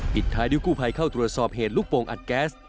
ท้ายด้วยกู้ภัยเข้าตรวจสอบเหตุลูกโป่งอัดแก๊ส